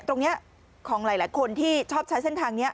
ตรงนี้ของหลายคนที่ชอบใช้เส้นทางนี้